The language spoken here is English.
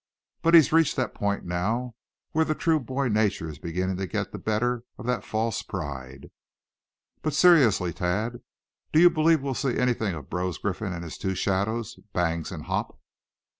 But he's reached the point now where the true boy nature is beginning to get the better of that false pride." "But seriously, Thad, do you believe we'll see anything of Brose Griffin and his two shadows, Bangs and Hop?"